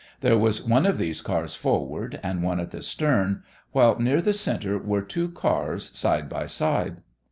There was one of these cars forward, and one at the stern, while near the center were two cars side by side.